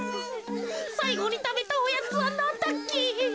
さいごにたべたおやつはなんだっけ。